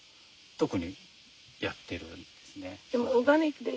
手でやってるんですか？